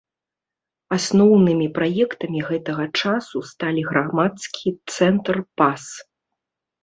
Асноўнымі праектамі гэтага часу сталі грамадскі цэнтр пас.